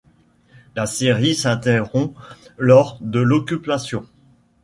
La série s'interrompt lors de l'Occupation.